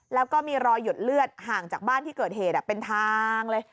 แล้วก็มีรอยหยดเลือดห่างจากบ้านที่เกิดเหตุเป็นทางเลย